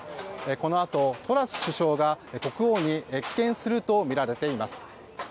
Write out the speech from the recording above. このあと、トラス首相が国王に謁見するとみられています。